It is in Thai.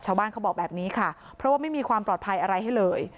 เขาบอกแบบนี้ค่ะเพราะว่าไม่มีความปลอดภัยอะไรให้เลย